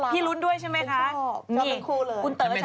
พี่โตรนน่ารักคุณชอบคุณคู่เลย